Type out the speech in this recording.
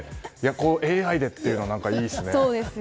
ＡＩでというのはいいですね。